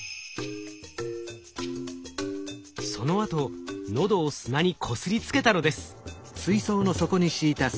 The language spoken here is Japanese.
そのあと喉を砂にこすりつけたのです。